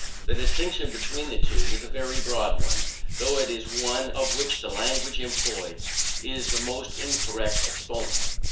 The distinction between the two is a very broad one, though it is one of which the language employed is a most incorrect exponent.